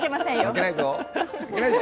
負けないぞ。